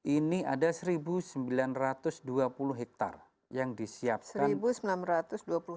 ini ada satu sembilan ratus dua puluh hektare yang disiapkan